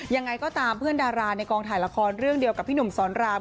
ยังไงก็ตามเพื่อนดาราในกองถ่ายละครเรื่องเดียวกับพี่หนุ่มสอนราม